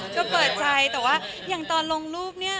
ก็เปิดใจแต่ว่าอย่างตอนลงรูปเนี่ย